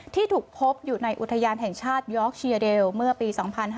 ที่ถูกพบอยู่ในอุทยานแห่งชาติยอร์กเชียเดลเมื่อปี๒๕๕๙